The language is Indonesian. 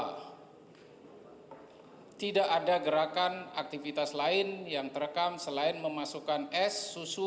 hai tidak ada gerakan aktivitas lain yang terekam selain memasukkan es susu